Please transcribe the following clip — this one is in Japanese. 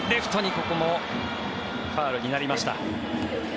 ここもファウルになりました。